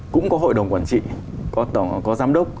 cũng có hội đồng quản trị có giám đốc